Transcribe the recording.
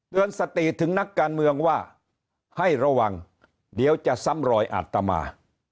สติถึงนักการเมืองว่าให้ระวังเดี๋ยวจะซ้ำรอยอาตมา